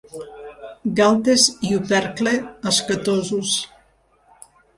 Galtes i opercle escatosos.